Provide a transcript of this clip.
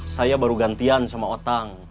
saya baru gantian sama otak